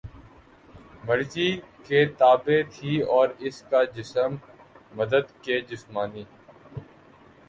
مرضی کے تابع تھی اور اس کا جسم مرد کے جسمانی